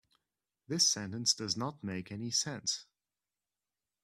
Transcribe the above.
This sentence does not make any sense.